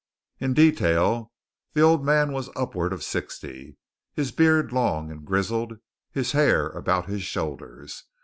In detail, the old man was upward of sixty, his beard long and grizzled, his hair about his shoulders.